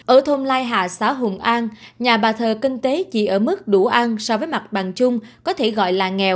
ở thôn lai hạ xã hùng an nhà bà thờ kinh tế chỉ ở mức đủ ăn so với mặt bằng chung có thể gọi là nghèo